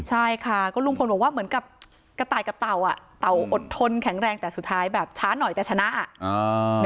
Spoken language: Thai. ใช่ค่ะก็ลุงพลบอกว่าเหมือนกับกระต่ายกับเต่าอ่ะเต่าอดทนแข็งแรงแต่สุดท้ายแบบช้าหน่อยแต่ชนะอ่ะ